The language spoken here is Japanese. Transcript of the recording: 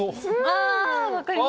あ分かります。